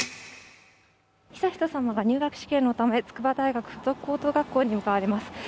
悠仁さまが入学試験のため筑波大学附属高等学校に向かわれます。